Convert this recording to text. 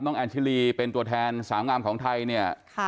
น้องแอลชิลีเป็นตัวแทนสามงามของไทย